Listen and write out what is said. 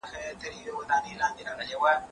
زه هره ورځ درسونه لوستل کوم؟!